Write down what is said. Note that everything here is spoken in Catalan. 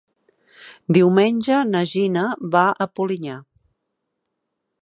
Diumenge na Gina va a Polinyà.